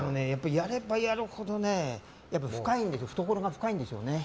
やればやるほど懐が深いんですよね。